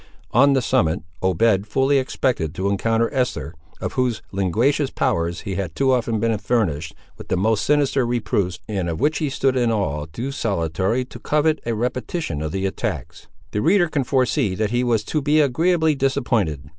On the summit, Obed fully expected to encounter Esther, of whose linguacious powers he had too often been furnished with the most sinister reproofs, and of which he stood in an awe too salutary to covet a repetition of the attacks. The reader can foresee that he was to be agreeably disappointed.